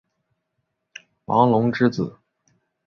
王隆之子。